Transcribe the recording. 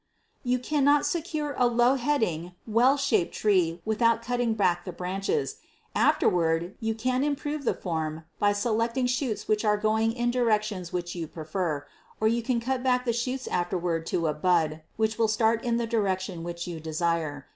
You cannot secure a low heading, well shaped tree without cutting back the branches. Afterward you can improve the form by selecting shoots which are going in directions which you prefer, or you can cut back the shoots afterward to a bud which will start in the direction which you desire.